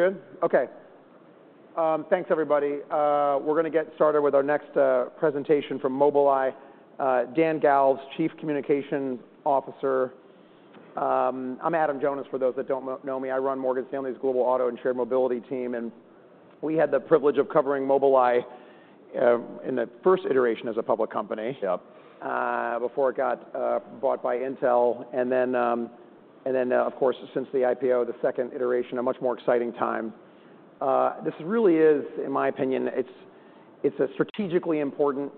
We're good? Okay. Thanks, everybody. We're gonna get started with our next presentation from Mobileye, Dan Galves, Chief Communications Officer. I'm Adam Jonas, for those that don't know me. I run Morgan Stanley's Global Auto and Shared Mobility team, and we had the privilege of covering Mobileye in the first iteration as a public company. Yep Before it got bought by Intel. And then, and then, of course, since the IPO, the second iteration, a much more exciting time. This really is, in my opinion, it's, it's a strategically important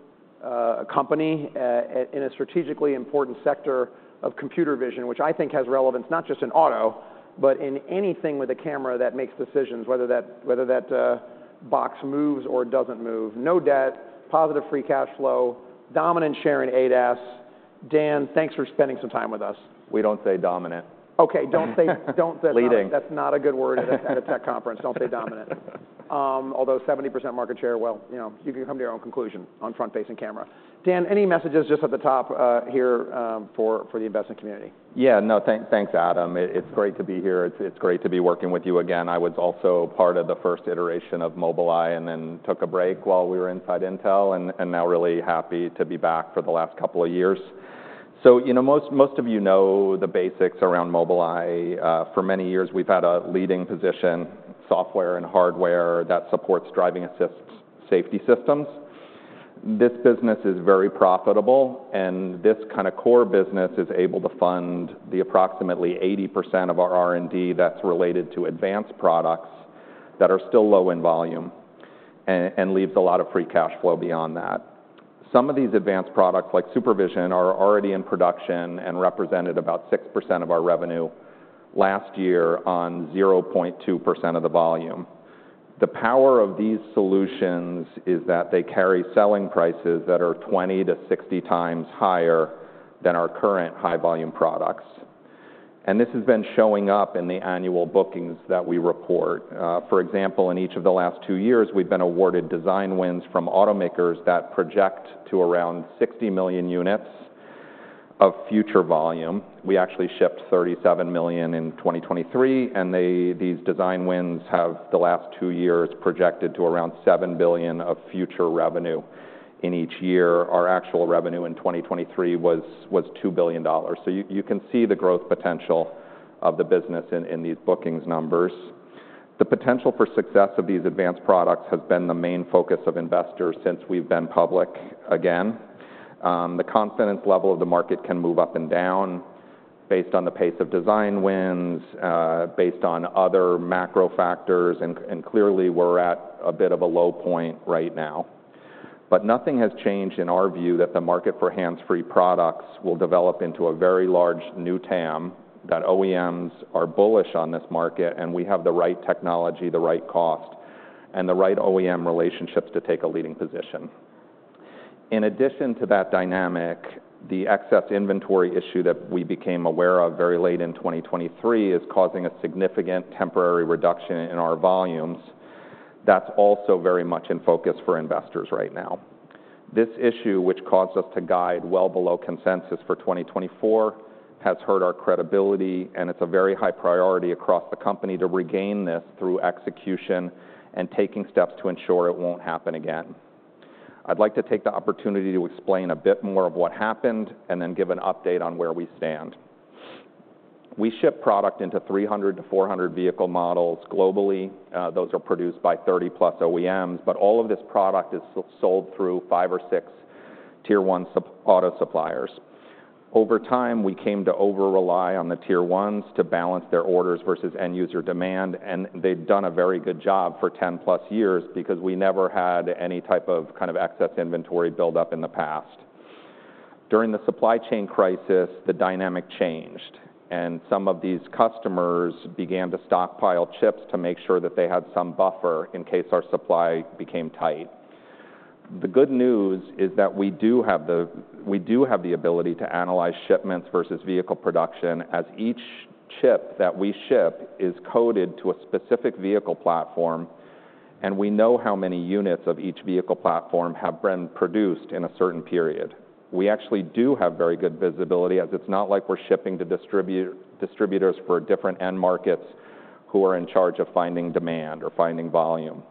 company in a strategically important sector of computer vision, which I think has relevance, not just in auto, but in anything with a camera that makes decisions, whether that, whether that, box moves or doesn't move. No debt, positive free cash flow, dominant share in ADAS. Dan, thanks for spending some time with us. We don't say dominant. Okay, don't say. Leading. That's not a good word at a tech conference. Don't say dominant. Although 70% market share, well, you know, you can come to your own conclusion on front-facing camera. Dan, any messages just at the top here for the investment community? Yeah, no, thanks, Adam. It's great to be here. It's great to be working with you again. I was also part of the first iteration of Mobileye and then took a break while we were inside Intel, and now really happy to be back for the last couple of years. So, you know, most of you know the basics around Mobileye. For many years, we've had a leading position, software and hardware, that supports driving assists safety systems. This business is very profitable, and this kinda core business is able to fund the approximately 80% of our R&D that's related to advanced products that are still low in volume, and leaves a lot of free cash flow beyond that. Some of these advanced products, like SuperVision, are already in production and represented about 6% of our revenue last year on 0.2% of the volume. The power of these solutions is that they carry selling prices that are 20 to 60 times higher than our current high-volume products, and this has been showing up in the annual bookings that we report. For example, in each of the last two years, we've been awarded design wins from automakers that project to around 60 million units of future volume. We actually shipped 37 million in 2023, and these design wins have, the last two years, projected to around $7 billion of future revenue in each year. Our actual revenue in 2023 was $2 billion. So you can see the growth potential of the business in these bookings numbers. The potential for success of these advanced products has been the main focus of investors since we've been public again. The confidence level of the market can move up and down based on the pace of design wins, based on other macro factors, and clearly, we're at a bit of a low point right now. But nothing has changed in our view that the market for hands-free products will develop into a very large new TAM, that OEMs are bullish on this market, and we have the right technology, the right cost, and the right OEM relationships to take a leading position. In addition to that dynamic, the excess inventory issue that we became aware of very late in 2023 is causing a significant temporary reduction in our volumes. That's also very much in focus for investors right now. This issue, which caused us to guide well below consensus for 2024, has hurt our credibility, and it's a very high priority across the company to regain this through execution and taking steps to ensure it won't happen again. I'd like to take the opportunity to explain a bit more of what happened and then give an update on where we stand. We ship product into 300 to 400 vehicle models globally. Those are produced by 30+ OEMs, but all of this product is sold through 5 or 6 Tier 1 auto suppliers. Over time, we came to over-rely on the Tier 1s to balance their orders versus end-user demand, and they've done a very good job for 10+ years because we never had any type of, kind of, excess inventory buildup in the past. During the supply chain crisis, the dynamic changed, and some of these customers began to stockpile chips to make sure that they had some buffer in case our supply became tight. The good news is that we do have the ability to analyze shipments versus vehicle production, as each chip that we ship is coded to a specific vehicle platform, and we know how many units of each vehicle platform have been produced in a certain period. We actually do have very good visibility, as it's not like we're shipping to distributors for different end markets who are in charge of finding demand or finding volume.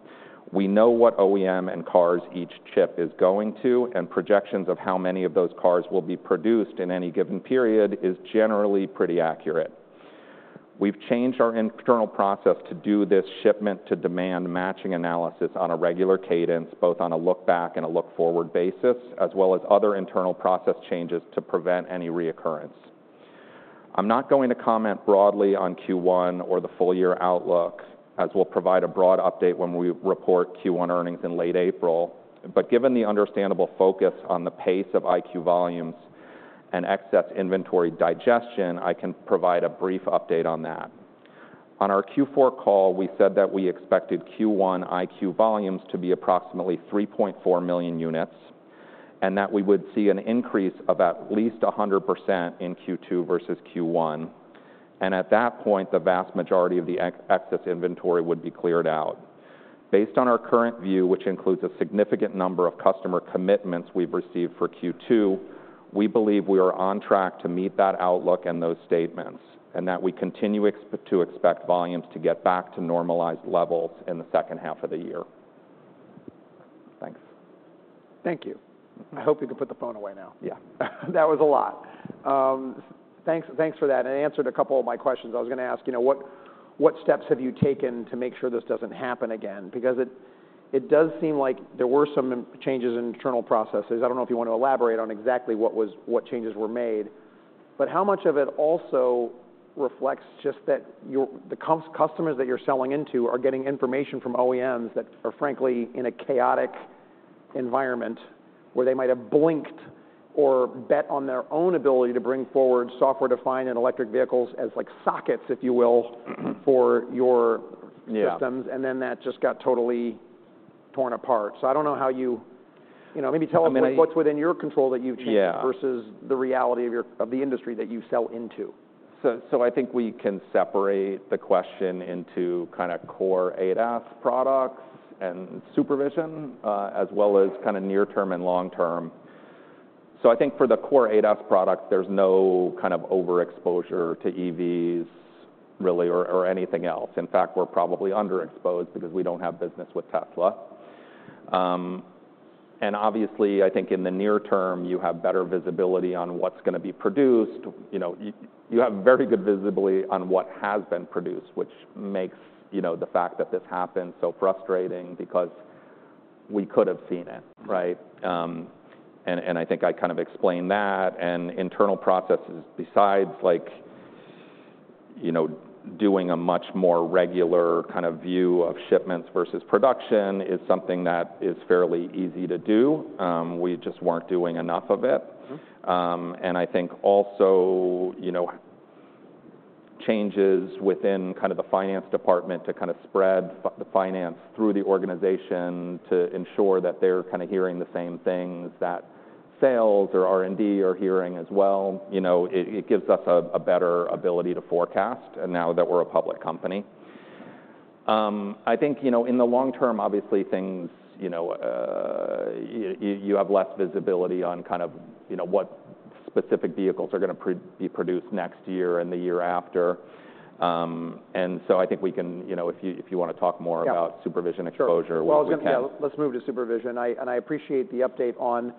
We know what OEM and cars each chip is going to, and projections of how many of those cars will be produced in any given period is generally pretty accurate. We've changed our internal process to do this shipment-to-demand matching analysis on a regular cadence, both on a look-back and a look-forward basis, as well as other internal process changes to prevent any reoccurrence. I'm not going to comment broadly on Q1 or the full-year outlook, as we'll provide a broad update when we report Q1 earnings in late April. But given the understandable focus on the pace of EyeQ volumes and excess inventory digestion, I can provide a brief update on that. On our Q4 call, we said that we expected Q1 EyeQ volumes to be approximately 3.4 million units, and that we would see an increase of at least 100% in Q2 versus Q1, and at that point, the vast majority of the excess inventory would be cleared out. Based on our current view, which includes a significant number of customer commitments we've received for Q2, we believe we are on track to meet that outlook and those statements, and that we continue to expect volumes to get back to normalized levels in the second half of the year. Thanks. Thank you. I hope you can put the phone away now. Yeah. That was a lot. Thanks, thanks for that, and it answered a couple of my questions. I was gonna ask, you know, what steps have you taken to make sure this doesn't happen again? Because it does seem like there were some internal changes in internal processes. I don't know if you want to elaborate on exactly what changes were made, but how much of it also reflects just that the customers that you're selling into are getting information from OEMs that are, frankly, in a chaotic environment, where they might have blinked or bet on their own ability to bring forward software-defined and electric vehicles as like sockets, if you will, for your- Yeah systems, and then that just got totally torn apart. So I don't know how you... You know, maybe tell- I mean, us what's within your control that you've changed Yeah... versus the reality of the industry that you sell into. So I think we can separate the question into kinda core ADAS products and supervision, as well as kinda near term and long term. So I think for the core ADAS products, there's no kind of overexposure to EVs really, or anything else. In fact, we're probably underexposed because we don't have business with Tesla. And obviously, I think in the near term, you have better visibility on what's gonna be produced. You know, you have very good visibility on what has been produced, which makes, you know, the fact that this happened so frustrating because we could have seen it, right? And I think I kind of explained that, and internal processes, besides like, you know, doing a much more regular kind of view of shipments versus production, is something that is fairly easy to do. We just weren't doing enough of it. Mm-hmm. And I think also, you know, changes within kind of the finance department to kind of spread the finance through the organization to ensure that they're kinda hearing the same things that sales or R&D are hearing as well. You know, it, it gives us a better ability to forecast, and now that we're a public company. I think, you know, in the long term, obviously things, you know... You, you have less visibility on kind of, you know, what specific vehicles are gonna be produced next year and the year after. And so I think we can, you know, if you, if you wanna talk more about- Yeah -supervision exposure- Sure -we can. Well, yeah, let's move to SuperVision. I appreciate the update on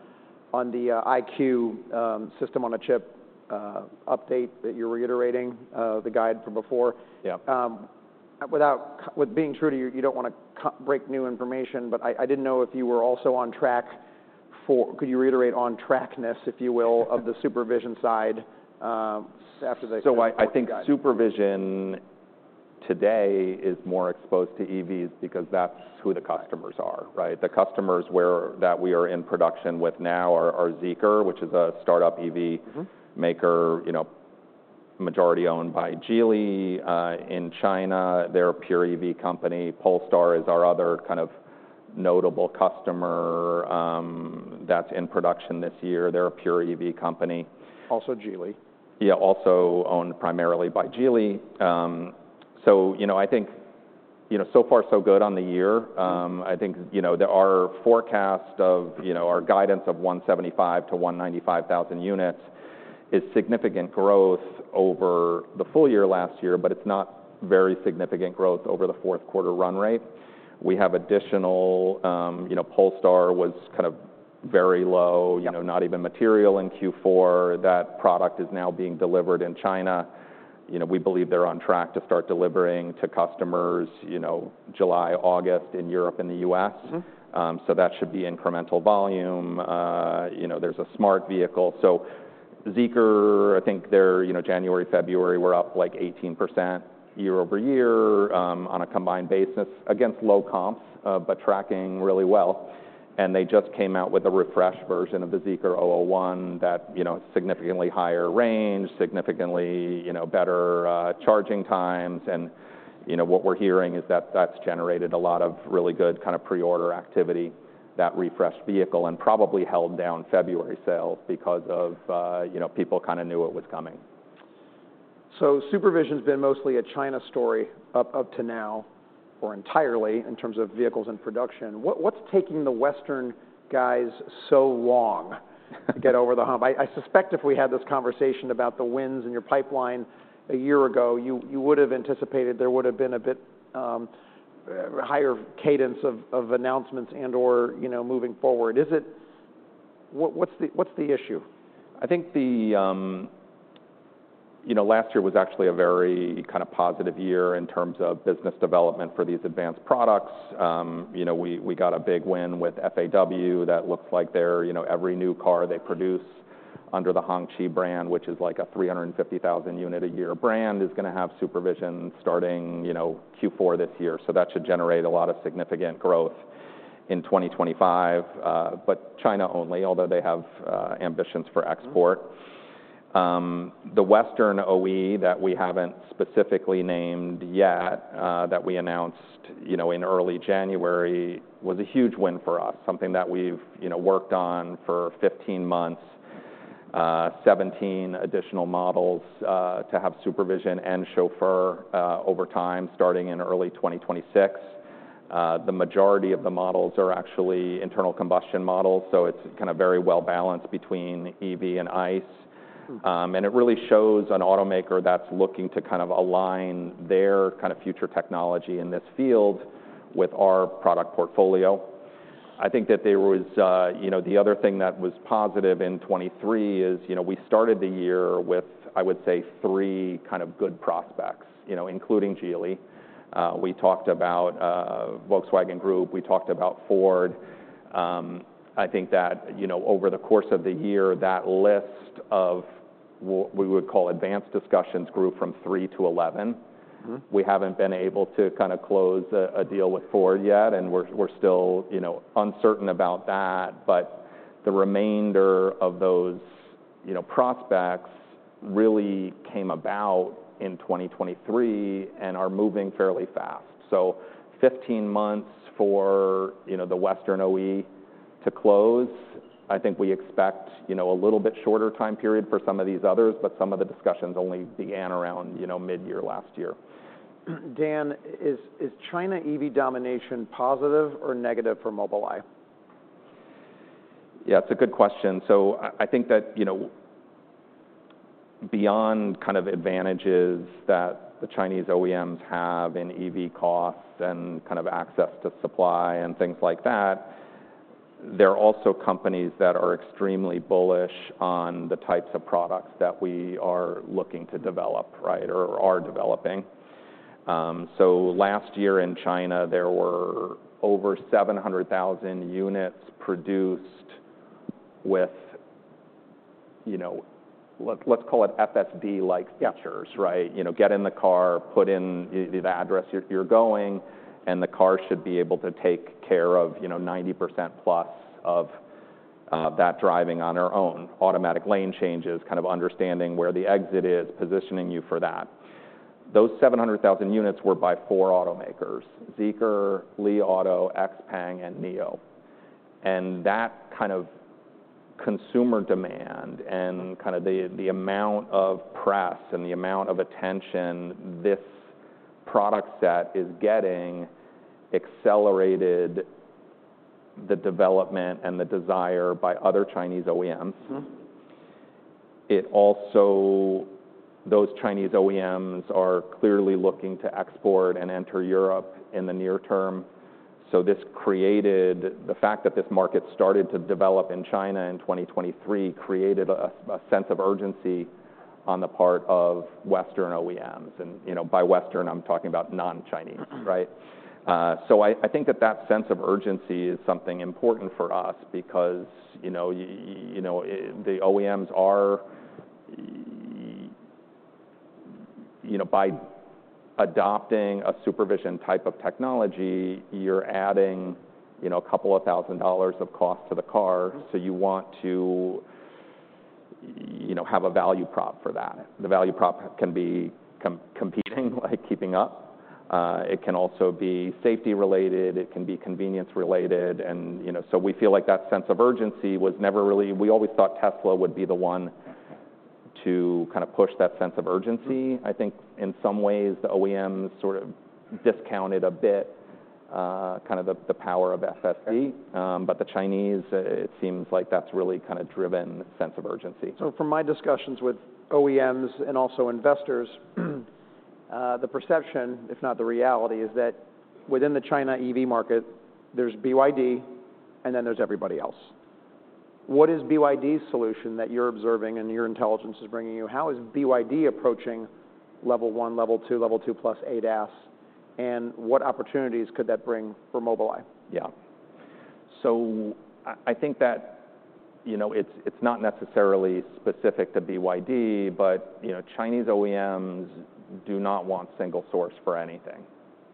the EyeQ system on a chip update that you're reiterating, the guide from before. Yeah. Without, with being true to you, you don't wanna break new information, but I, I didn't know if you were also on track for... Could you reiterate on trackness, if you will, of the supervision side, after the- So I think SuperVision today is more exposed to EVs because that's who the customers are, right? The customers that we are in production with now are Zeekr, which is a start-up EV- Mm-hmm -maker, you know, majority owned by Geely. In China, they're a pure EV company. Polestar is our other kind of notable customer, that's in production this year. They're a pure EV company. Also Geely. Yeah, also owned primarily by Geely. So, you know, I think, you know, so far so good on the year. I think, you know, there are forecast of, you know, our guidance of 175 to 195 thousand units is significant growth over the full year last year, but it's not very significant growth over the fourth quarter run rate. We have additional, you know, Polestar was kind of very low, you know, not even material in Q4. That product is now being delivered in China. You know, we believe they're on track to start delivering to customers, you know, July, August, in Europe and the U.S. Mm-hmm. So that should be incremental volume. You know, there's a Smart vehicle. So Zeekr, I think they're, you know, January, February, were up, like, 18% year-over-year, on a combined basis against low comps, but tracking really well, and they just came out with a refreshed version of the Zeekr 001 that, you know, significantly higher range, significantly, you know, better charging times. And, you know, what we're hearing is that that's generated a lot of really good kind of pre-order activity, that refreshed vehicle, and probably held down February sales because of, you know, people kinda knew it was coming. So SuperVision's been mostly a China story up to now, or entirely in terms of vehicles and production. What's taking the Western guys so long to get over the hump? I suspect if we had this conversation about the wins in your pipeline a year ago, you would've anticipated there would've been a bit higher cadence of announcements and/or, you know, moving forward. Is it... What's the issue? I think the, you know, last year was actually a very kind of positive year in terms of business development for these advanced products. You know, we, we got a big win with FAW that looks like their, you know, every new car they produce under the Hongqi brand, which is like a 350,000 unit a year brand, is gonna have supervision starting, you know, Q4 this year. So that should generate a lot of significant growth in 2025, but China only, although they have ambitions for export. Mm-hmm. The Western OE that we haven't specifically named yet, that we announced, you know, in early January, was a huge win for us, something that we've, you know, worked on for 15 months. Seventeen additional models to have SuperVision and Chauffeur over time, starting in early 2026. The majority of the models are actually internal combustion models, so it's kind of very well-balanced between EV and ICE. And it really shows an automaker that's looking to kind of align their kind of future technology in this field with our product portfolio. I think that there was, you know, the other thing that was positive in 2023 is, you know, we started the year with, I would say, 3 kind of good prospects, you know, including Geely. We talked about Volkswagen Group, we talked about Ford. I think that, you know, over the course of the year, that list of what we would call advanced discussions grew from three to 11. Mm-hmm. We haven't been able to kind of close a deal with Ford yet, and we're still, you know, uncertain about that. But the remainder of those, you know, prospects really came about in 2023 and are moving fairly fast. So 15 months for, you know, the Western OEM to close, I think we expect, you know, a little bit shorter time period for some of these others, but some of the discussions only began around, you know, midyear last year. Dan, is China EV domination positive or negative for Mobileye? Yeah, it's a good question. So I think that, you know, beyond kind of advantages that the Chinese OEMs have in EV costs and kind of access to supply and things like that, they're also companies that are extremely bullish on the types of products that we are looking to develop, right, or are developing. So last year in China, there were over 700,000 units produced with, you know, let's call it FSD-like- Yeah features, right? You know, get in the car, put in the address you're going, and the car should be able to take care of, you know, 90% plus of that driving on their own. Automatic lane changes, kind of understanding where the exit is, positioning you for that. Those 700,000 units were by four automakers: Zeekr, Li Auto, XPENG, and NIO. And that kind of consumer demand and kind of the amount of press and the amount of attention this product set is getting accelerated the development and the desire by other Chinese OEMs. Mm-hmm. It also, those Chinese OEMs are clearly looking to export and enter Europe in the near term. So this created... The fact that this market started to develop in China in 2023, created a sense of urgency on the part of Western OEMs. And, you know, by Western, I'm talking about non-Chinese. Mm-hmm. Right? So I think that that sense of urgency is something important for us because, you know, you know, the OEMs are, you know, by adopting a supervision type of technology, you're adding, you know, $2,000 of cost to the car. Mm-hmm. So you want to, you know, have a value prop for that. The value prop can be competing, like keeping up. It can also be safety-related, it can be convenience-related. And, you know, so we feel like that sense of urgency was never really, we always thought Tesla would be the one to kind of push that sense of urgency. Mm-hmm. I think in some ways, the OEMs sort of discounted a bit, kind of the power of FSD. Yeah. But the Chinese, it seems like that's really kind of driven a sense of urgency. So from my discussions with OEMs and also investors, the perception, if not the reality, is that within the China EV market, there's BYD, and then there's everybody else. What is BYD's solution that you're observing and your intelligence is bringing you? How is BYD approaching Level One, Level Two, Level Two+, ADAS, and what opportunities could that bring for Mobileye? Yeah. So I think that, you know, it's not necessarily specific to BYD, but, you know, Chinese OEMs do not want single source for anything.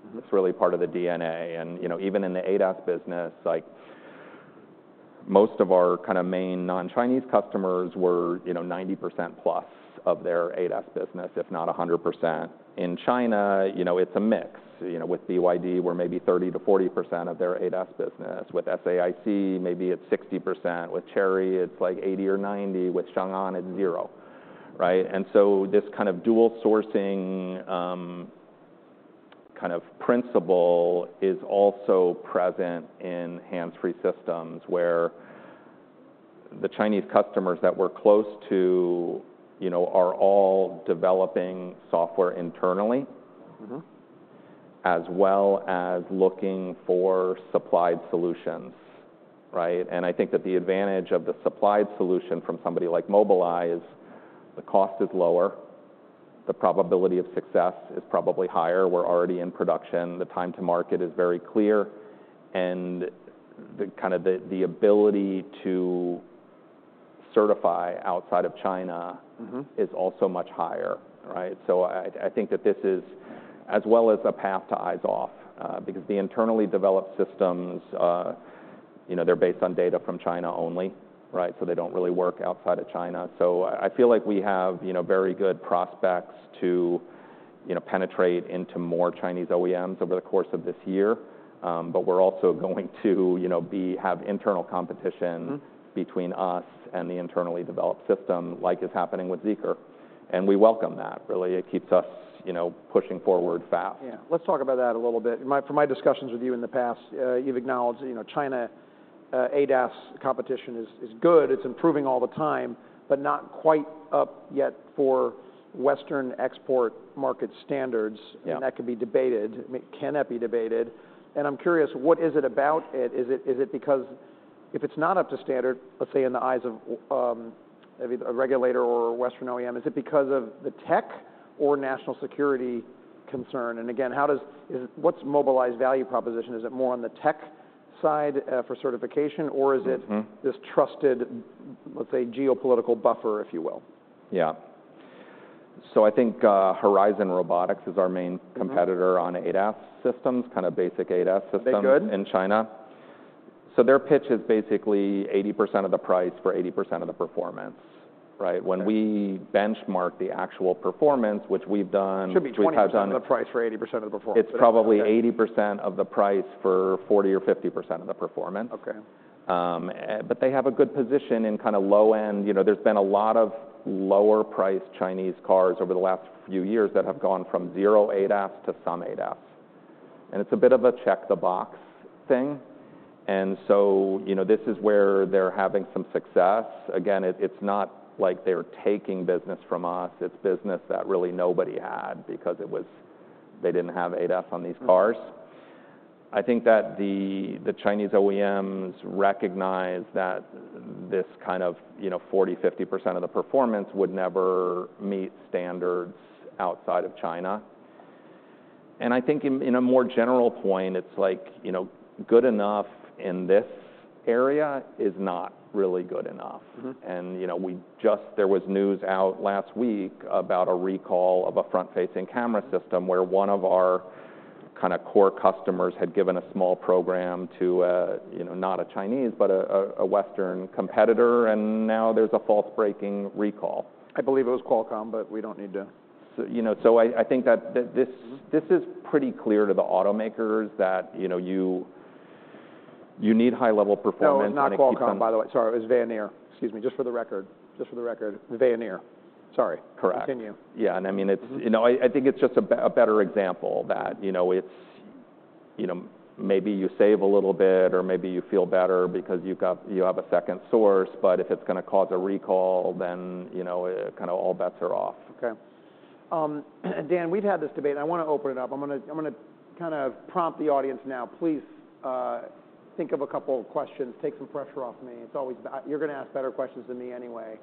Mm-hmm. It's really part of the DNA. And, you know, even in the ADAS business, like, most of our kind of main non-Chinese customers were, you know, 90% plus of their ADAS business, if not a 100%. In China, you know, it's a mix. You know, with BYD, we're maybe 30% to 40% of their ADAS business. With SAIC, maybe it's 60%. With Chery, it's like 80 or 90. With Changan, it's zero, right? And so this kind of dual sourcing, kind of principle is also present in hands-free systems, where the Chinese customers that we're close to, you know, are all developing software internally- Mm-hmm... as well as looking for supplied solutions, right? And I think that the advantage of the supplied solution from somebody like Mobileye is the cost is lower, the probability of success is probably higher. We're already in production. The time to market is very clear, and the kind of ability to certify outside of China- Mm-hmm... is also much higher, right? So I, I think that this is as well as a path to eyes off, because the internally developed systems, you know, they're based on data from China only, right? So I, I feel like we have, you know, very good prospects to you know, penetrate into more Chinese OEMs over the course of this year. But we're also going to, you know, have internal competition- Mm-hmm... between us and the internally developed system, like is happening with Zeekr, and we welcome that. Really, it keeps us, you know, pushing forward fast. Yeah. Let's talk about that a little bit. From my discussions with you in the past, you've acknowledged, you know, China ADAS competition is good, it's improving all the time, but not quite up yet for Western export market standards. Yeah. And that could be debated. I mean, can that be debated? And I'm curious, what is it about it? Is it because if it's not up to standard, let's say, in the eyes of maybe a regulator or a Western OEM, is it because of the tech or national security concern? And again, what's Mobileye's value proposition? Is it more on the tech side for certification, or is it- Mm-hmm... this trusted, let's say, geopolitical buffer, if you will? Yeah. So I think, Horizon Robotics is our main competitor- Mm-hmm... on ADAS systems, kind of basic ADAS systems- They should... in China. So their pitch is basically 80% of the price for 80% of the performance, right? Okay. When we benchmark the actual performance, which we've done, which I've done- Should be 20% of the price for 80% of the performance. It's probably 80% of the price for 40% to 50% of the performance. Okay. But they have a good position in kind of low end. You know, there's been a lot of lower priced Chinese cars over the last few years that have gone from zero ADAS to some ADAS, and it's a bit of a check-the-box thing. And so, you know, this is where they're having some success. Again, it's not like they're taking business from us, it's business that really nobody had because it was... They didn't have ADAS on these cars. Mm-hmm. I think that the Chinese OEMs recognize that this kind of, you know, 40% to 50% of the performance would never meet standards outside of China. And I think in a more general point, it's like, you know, good enough in this area is not really good enough. Mm-hmm. You know, we just, there was news out last week about a recall of a front-facing camera system, where one of our kind of core customers had given a small program to, you know, not a Chinese, but a Western competitor, and now there's a false braking recall. I believe it was Qualcomm, but we don't need to... You know, I think that this- Mm-hmm... this is pretty clear to the automakers that, you know, you, you need high-level performance when it comes- No, it's not Qualcomm, by the way. Sorry, it was Veoneer. Excuse me, just for the record, just for the record, Veoneer. Sorry. Correct. Continue. Yeah, and I mean, it's- Mm-hmm... you know, I think it's just a better example that, you know, it's, you know, maybe you save a little bit or maybe you feel better because you have a second source, but if it's gonna cause a recall, then, you know, kind of all bets are off. Okay. Dan, we've had this debate, and I wanna open it up. I'm gonna kind of prompt the audience now. Please, think of a couple of questions, take some pressure off me. It's always. You're gonna ask better questions than me anyway,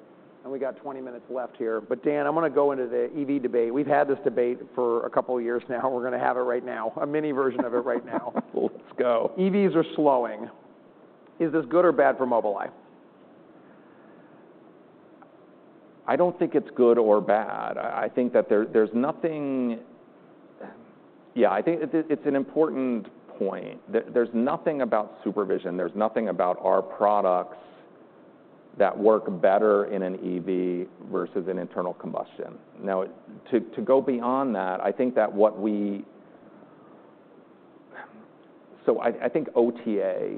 and we got 20 minutes left here. But Dan, I'm gonna go into the EV debate. We've had this debate for a couple of years now. We're gonna have it right now. A mini version of it right now. Let's go. EVs are slowing. Is this good or bad for Mobileye? I don't think it's good or bad. I think that there's nothing... Yeah, I think it's an important point. There's nothing about supervision, there's nothing about our products that work better in an EV versus an internal combustion. Now, to go beyond that, I think that what we. So I think OTA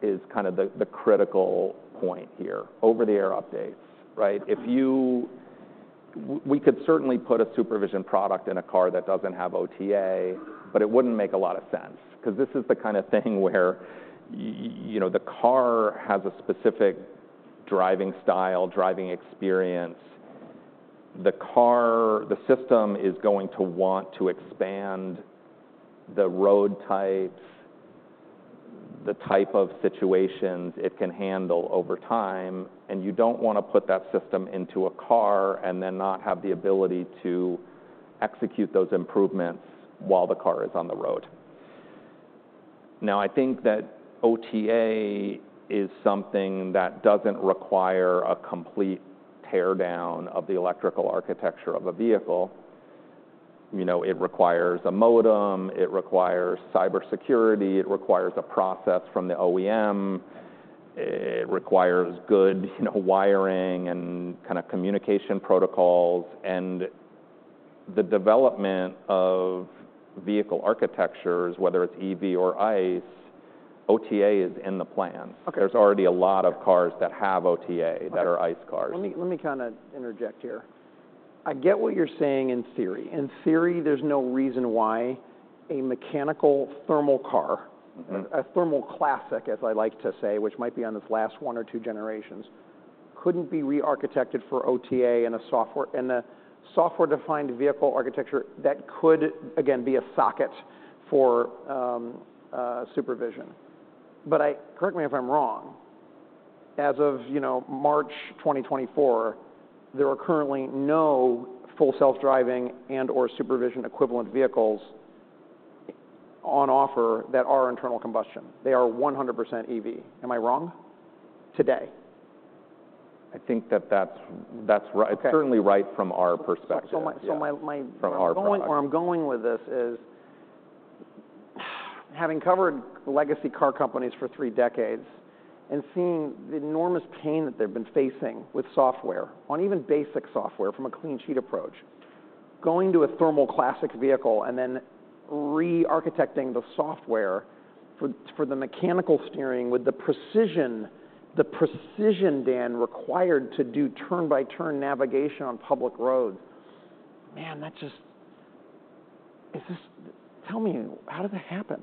is kind of the critical point here. Over-the-air updates, right? Mm-hmm. We could certainly put a SuperVision product in a car that doesn't have OTA, but it wouldn't make a lot of sense, 'cause this is the kind of thing where, you know, the car has a specific driving style, driving experience. The car, the system is going to want to expand the road types, the type of situations it can handle over time, and you don't wanna put that system into a car and then not have the ability to execute those improvements while the car is on the road. Now, I think that OTA is something that doesn't require a complete tear down of the electrical architecture of a vehicle. You know, it requires a modem, it requires cybersecurity, it requires a process from the OEM, it requires good, you know, wiring and kind of communication protocols, and the development of vehicle architectures, whether it's EV or ICE, OTA is in the plans. Okay. There's already a lot of cars that have OTA- Right... that are ICE cars. Let me, let me kind of interject here. I get what you're saying in theory. In theory, there's no reason why a mechanical thermal car- Mm-hmm... a thermal classic, as I like to say, which might be on its last one or two generations, couldn't be rearchitected for OTA and a software, and a software-defined vehicle architecture that could, again, be a socket for supervision. But correct me if I'm wrong, as of, you know, March 2024, there are currently no full self-driving and/or supervision equivalent vehicles on offer that are internal combustion. They are 100% EV. Am I wrong? Today. I think that that's, that's right. Okay. It's certainly right from our perspective. So my From our product... where I'm going with this is, having covered legacy car companies for three decades and seeing the enormous pain that they've been facing with software, on even basic software from a clean sheet approach, going to a thermal classic vehicle and then re-architecting the software for, for the mechanical steering with the precision, the precision, Dan, required to do turn-by-turn navigation on public roads, man, that just is this, tell me, how did that happen?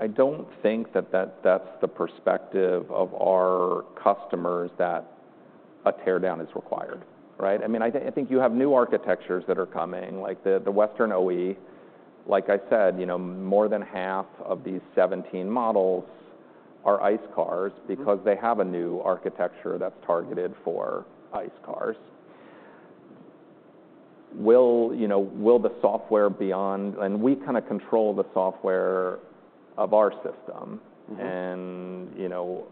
I don't think that's the perspective of our customers that a tear down is required, right? I mean, I think you have new architectures that are coming, like the Western OEM. Like I said, you know, more than half of these 17 models are ICE cars- Mm-hmm. Because they have a new architecture that's targeted for ICE cars. Well, you know, will the software beyond... And we kinda control the software of our system. Mm-hmm. You know,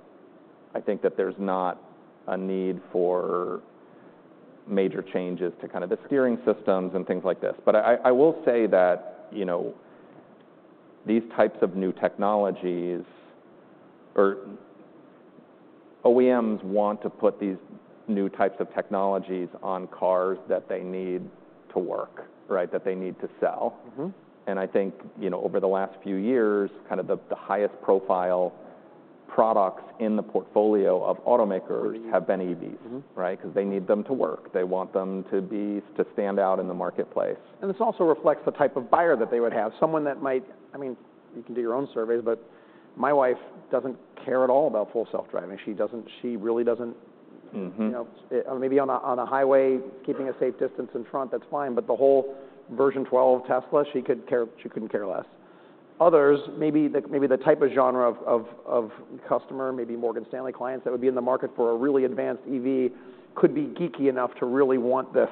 I think that there's not a need for major changes to kind of the steering systems and things like this. But I will say that, you know, these types of new technologies or OEMs want to put these new types of technologies on cars that they need to work, right, that they need to sell. Mm-hmm. I think, you know, over the last few years, kind of the highest profile products in the portfolio of automakers have been EVs. Mm-hmm. Right? 'Cause they need them to work. They want them to be to stand out in the marketplace. And this also reflects the type of buyer that they would have, someone that might... I mean, you can do your own surveys, but my wife doesn't care at all about Full Self-Driving. She doesn't, she really doesn't- Mm-hmm. You know, maybe on a highway, keeping a safe distance in front, that's fine, but the whole version 12 Tesla, she couldn't care less. Others, maybe the type of genre of customer, maybe Morgan Stanley clients that would be in the market for a really advanced EV, could be geeky enough to really want this.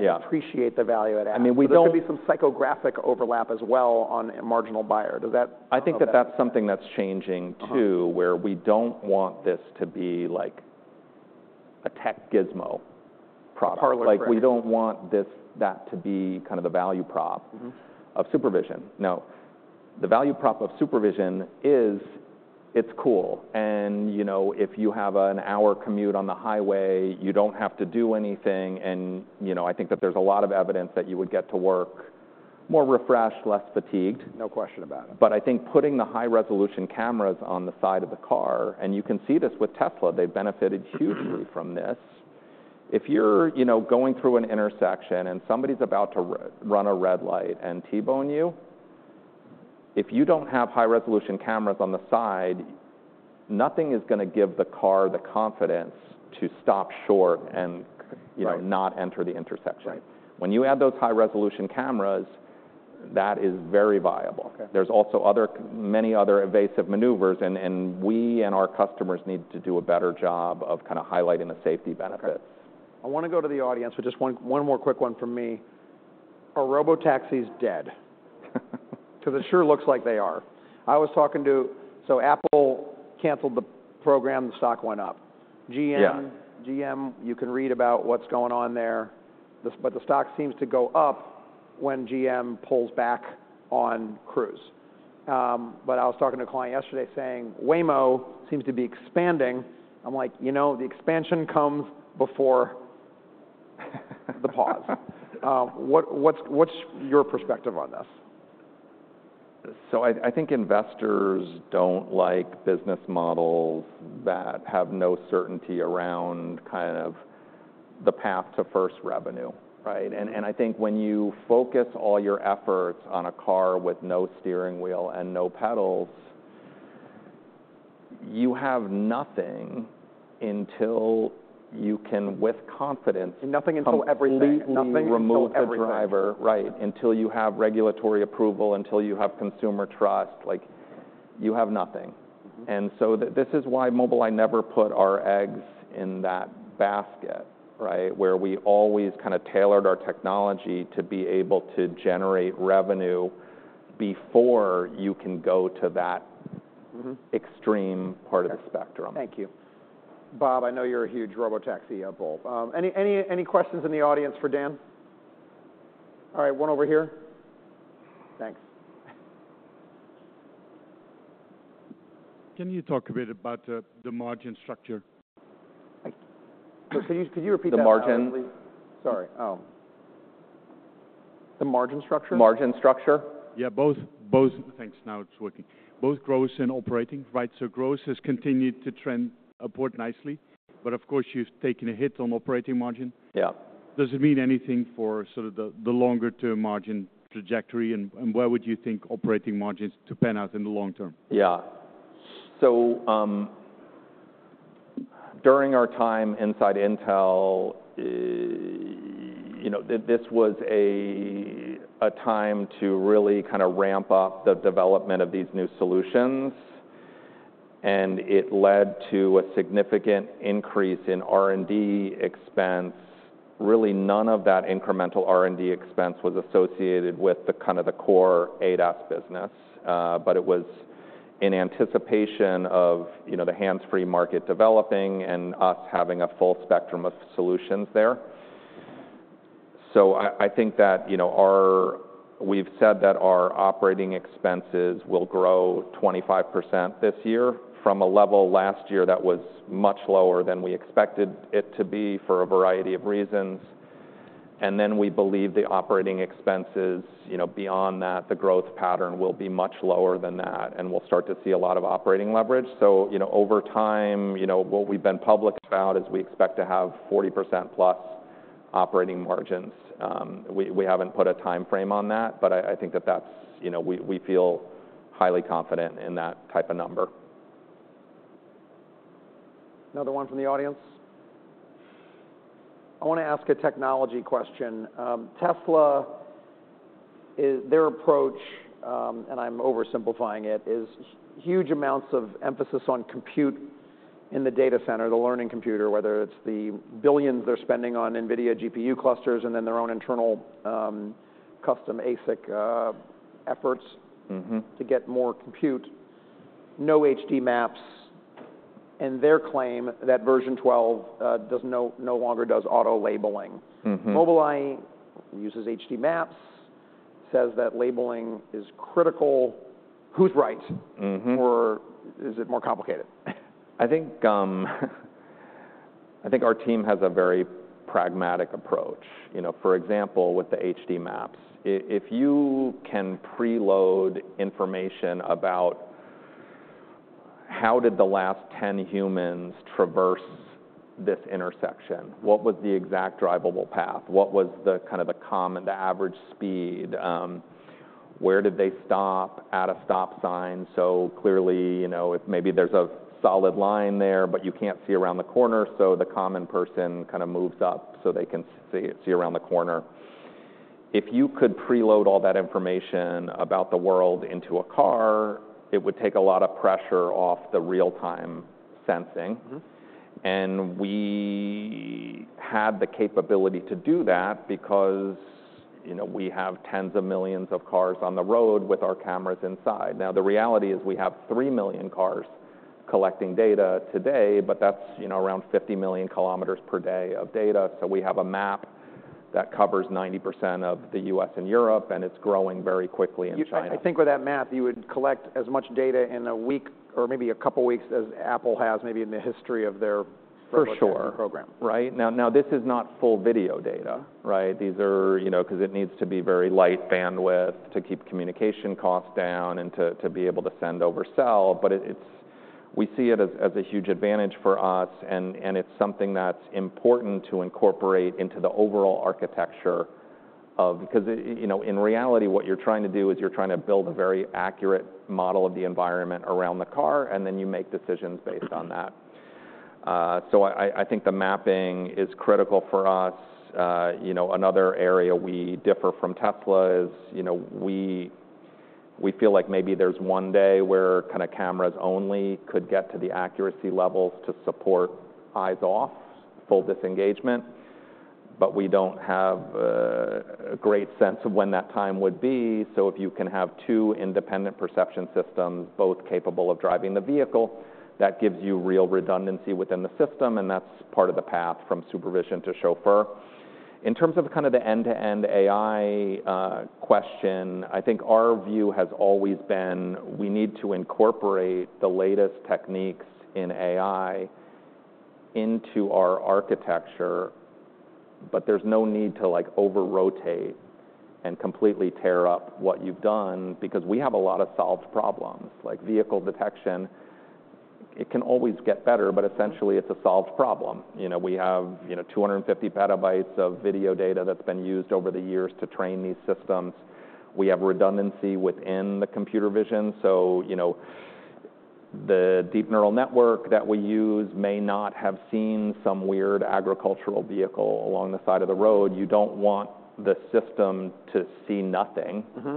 Yeah and appreciate the value it adds. I mean, we don't- There could be some psychographic overlap as well on a marginal buyer. Does that- I think that that's something that's changing, too. Uh-huh... where we don't want this to be, like, a tech gizmo product. Parler. Like, we don't want this, that to be kind of the value prop- Mm-hmm... of supervision. No, the value prop of supervision is: it's cool, and, you know, if you have an hour commute on the highway, you don't have to do anything. And, you know, I think that there's a lot of evidence that you would get to work more refreshed, less fatigued. No question about it. But I think putting the high-resolution cameras on the side of the car, and you can see this with Tesla, they've benefited hugely from this. If you're, you know, going through an intersection and somebody's about to run a red light and T-bone you, if you don't have high-resolution cameras on the side, nothing is gonna give the car the confidence to stop short and- Right you know, not enter the intersection. Right. When you add those high-resolution cameras, that is very viable. Okay. There's also other, many other evasive maneuvers, and we and our customers need to do a better job of kinda highlighting the safety benefits. Okay. I wanna go to the audience for just one, one more quick one from me. Are robotaxis dead? 'Cause it sure looks like they are. I was talking to... So Apple canceled the program, the stock went up. Yeah. GM, GM, you can read about what's going on there. But the stock seems to go up when GM pulls back on Cruise. But I was talking to a client yesterday saying, "Waymo seems to be expanding." I'm like: You know, the expansion comes before the pause. What's your perspective on this? So I think investors don't like business models that have no certainty around kind of the path to first revenue, right? And I think when you focus all your efforts on a car with no steering wheel and no pedals, you have nothing until you can, with confidence- Nothing until everything... completely remove the driver. Nothing until everything. Right. Until you have regulatory approval, until you have consumer trust, like, you have nothing. Mm-hmm. And so this is why Mobileye never put our eggs in that basket, right? Where we always kinda tailored our technology to be able to generate revenue before you can go to that- Mm-hmm extreme part of the spectrum. Thank you. Bob, I know you're a huge robotaxi pupil. Any questions in the audience for Dan? All right, one over here. Thanks. Can you talk a bit about the margin structure? Thank you. So could you repeat that- The margin Sorry. Oh, the margin structure? Margin structure? Yeah, both... Thanks, now it's working. Both gross and operating, right? So gross has continued to trend upward nicely, but of course, you've taken a hit on operating margin. Yeah. Does it mean anything for sort of the longer-term margin trajectory, and where would you think operating margins to pan out in the long term? Yeah. So, during our time inside Intel, you know, this was a time to really kinda ramp up the development of these new solutions, and it led to a significant increase in R&D expense. Really none of that incremental R&D expense was associated with the kind of the core ADAS business, but it was in anticipation of, you know, the hands-free market developing and us having a full spectrum of solutions there. So I think that, you know, we've said that our operating expenses will grow 25% this year from a level last year that was much lower than we expected it to be for a variety of reasons. And then we believe the operating expenses, you know, beyond that, the growth pattern will be much lower than that, and we'll start to see a lot of operating leverage. So, you know, over time, you know, what we've been public about is we expect to have 40% plus operating margins. We haven't put a timeframe on that, but I think that that's, you know, we feel highly confident in that type of number. Another one from the audience? I wanna ask a technology question. Tesla is, their approach, and I'm oversimplifying it, is huge amounts of emphasis on compute in the data center, the learning computer, whether it's the billions they're spending on NVIDIA GPU clusters, and then their own internal, custom ASIC, efforts. Mm-hmm... to get more compute, no HD Maps, and their claim that Version Twelve doesn't no longer does auto labeling. Mm-hmm. Mobileye uses HD Maps, says that labeling is critical. Who's right? Mm-hmm. Or is it more complicated? I think I think our team has a very pragmatic approach. You know, for example, with the HD maps, if you can pre-load information about how did the last 10 humans traverse this intersection? What was the exact drivable path? What was the kind of the common, the average speed? Where did they stop at a stop sign? So clearly, you know, if maybe there's a solid line there, but you can't see around the corner, so the common person kind of moves up so they can see, see around the corner. If you could pre-load all that information about the world into a car, it would take a lot of pressure off the real-time sensing. Mm-hmm. We have the capability to do that because, you know, we have tens of millions of cars on the road with our cameras inside. Now, the reality is we have 3 million cars collecting data today, but that's, you know, around 50 million kilometers per day of data, so we have a map that covers 90% of the U.S. and Europe, and it's growing very quickly in China. I think with that map, you would collect as much data in a week or maybe a couple of weeks as Apple has, maybe in the history of their- For sure - program. Right. Now, this is not full video data, right? These are... You know, 'cause it needs to be very light bandwidth to keep communication costs down and to be able to send over cell. But it's- we see it as a huge advantage for us, and it's something that's important to incorporate into the overall architecture of... Because, you know, in reality, what you're trying to do is you're trying to build a very accurate model of the environment around the car, and then you make decisions based on that. So I think the mapping is critical for us. You know, another area we differ from Tesla is, you know, we, we feel like maybe there's one day where kinda cameras only could get to the accuracy levels to support eyes off, full disengagement, but we don't have a, a great sense of when that time would be. So if you can have two independent perception systems, both capable of driving the vehicle, that gives you real redundancy within the system, and that's part of the path from supervision to Chauffeur. In terms of kind of the end-to-end AI question, I think our view has always been, we need to incorporate the latest techniques in AI into our architecture, but there's no need to, like, over-rotate and completely tear up what you've done because we have a lot of solved problems. Like, vehicle detection, it can always get better, but essentially, it's a solved problem. You know, we have, you know, 250 petabytes of video data that's been used over the years to train these systems. We have redundancy within the computer vision. So, you know, the deep neural network that we use may not have seen some weird agricultural vehicle along the side of the road. You don't want the system to see nothing. Mm-hmm.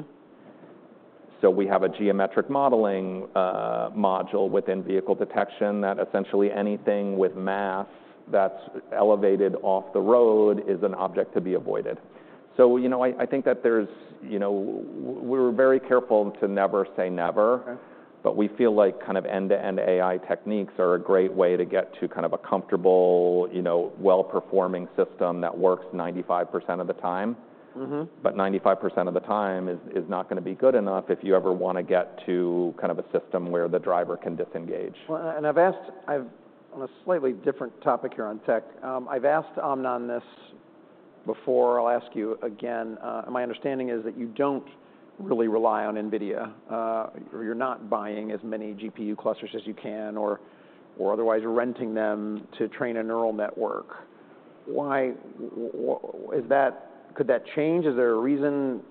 So we have a geometric modeling module within vehicle detection that essentially anything with mass that's elevated off the road is an object to be avoided. So, you know, I think that there's, you know... We're very careful to never say never. Okay. But we feel like kind of end-to-end AI techniques are a great way to get to kind of a comfortable, you know, well-performing system that works 95% of the time. Mm-hmm. But 95% of the time is not gonna be good enough if you ever wanna get to kind of a system where the driver can disengage. Well, and I've asked. I've on a slightly different topic here on tech, I've asked Amnon this before. I'll ask you again. My understanding is that you don't really rely on NVIDIA, or you're not buying as many GPU clusters as you can, or otherwise renting them to train a neural network. Why is that? Could that change? Is there a reason...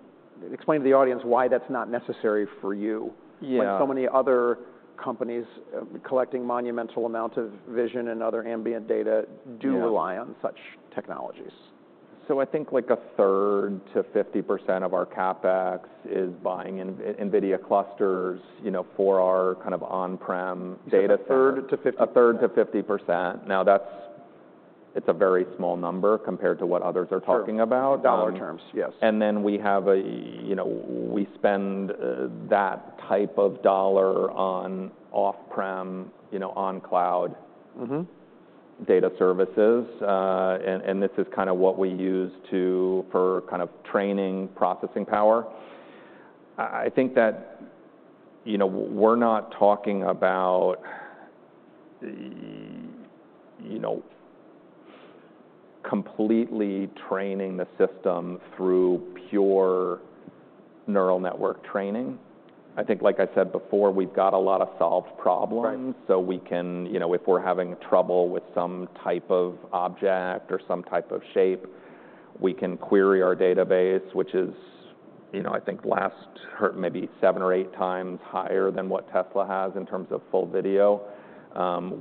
Explain to the audience why that's not necessary for you- Yeah... when so many other companies collecting monumental amounts of vision and other ambient data- Yeah do rely on such technologies? So I think like a third-50% of our CapEx is buying NVIDIA clusters, you know, for our kind of on-prem data- A third to 50- 1/3 to 50%. Now, that's it's a very small number compared to what others are talking about. Sure. Dollar terms, yes. Then we have, you know, we spend that type of dollar on off-prem, you know, on cloud- Mm-hmm... data services. This is kinda what we use to, for kind of training, processing power.... I think that, you know, we're not talking about, you know, completely training the system through pure neural network training. I think, like I said before, we've got a lot of solved problems- Right. So we can, you know, if we're having trouble with some type of object or some type of shape, we can query our database, which is, you know, I think last maybe seven or eight times higher than what Tesla has in terms of full video.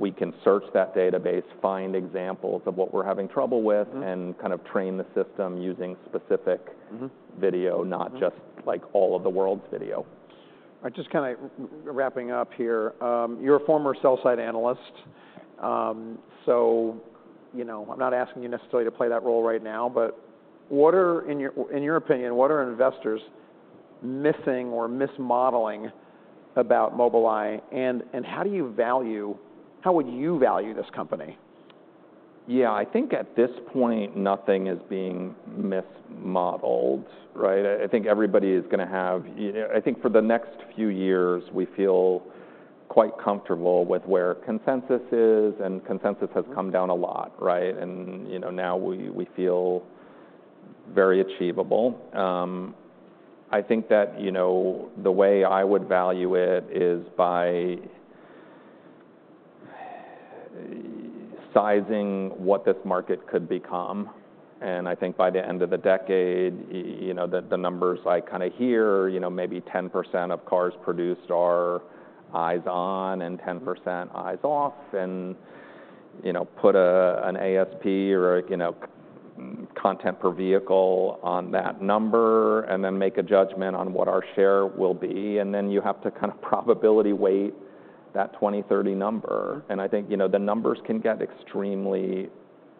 We can search that database, find examples of what we're having trouble with- Mm-hmm. and kind of train the system using specific Mm-hmm video, not just, like, all of the world's video. I just kinda wrapping up here. You're a former sell-side analyst. So, you know, I'm not asking you necessarily to play that role right now, but what are... In your, in your opinion, what are investors missing or mismodeling about Mobileye, and, and how do you value- how would you value this company? Yeah, I think at this point, nothing is being mismodeled, right? I think everybody is gonna have, you know—I think for the next few years, we feel quite comfortable with where consensus is, and consensus has come down a lot, right? And, you know, now we feel very achievable. I think that, you know, the way I would value it is by sizing what this market could become, and I think by the end of the decade, you know, the numbers I kinda hear, you know, maybe 10% of cars produced are eyes on and 10% eyes off, and, you know, put an ASP or a, you know, content per vehicle on that number, and then make a judgment on what our share will be. And then you have to kind of probability weight that 20 to 30 number. I think, you know, the numbers can get extremely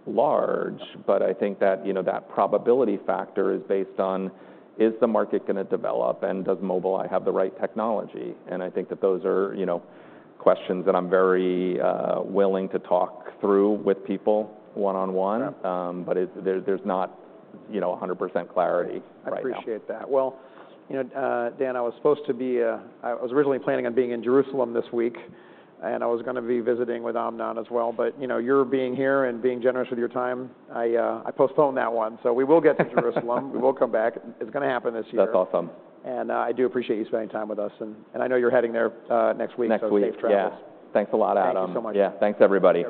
large, but I think that, you know, that probability factor is based on, is the market gonna develop, and does Mobileye have the right technology? I think that those are, you know, questions that I'm very willing to talk through with people one-on-one. Yeah. But there's not, you know, 100% clarity right now. I appreciate that. Well, you know, Dan, I was supposed to be... I was originally planning on being in Jerusalem this week, and I was gonna be visiting with Amnon as well, but, you know, your being here and being generous with your time, I, I postponed that one. So we will get to Jerusalem. We will come back. It's gonna happen this year. That's awesome. I do appreciate you spending time with us, and, and I know you're heading there next week. Next week. Safe travels. Yeah. Thanks a lot, Adam. Thank you so much. Yeah. Thanks, everybody.